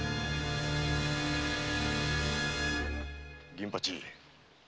銀八。